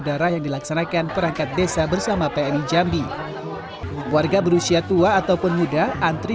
darah yang dilaksanakan perangkat desa bersama pmi jambi warga berusia tua ataupun muda antri